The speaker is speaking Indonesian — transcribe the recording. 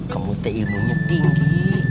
kamu ilmunya tinggi